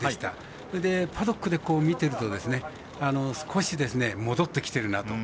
それでパドックで見てると少し戻ってきてるなと。